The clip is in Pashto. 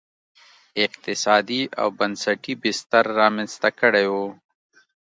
اقتصادي او بنسټي بستر رامنځته کړی و.